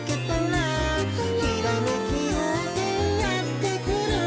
「ひらめきようせいやってくる」